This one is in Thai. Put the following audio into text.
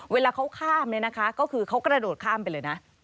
เวลาเขาข้ามก็คือเขากระโดดข้ามไปเลยนะ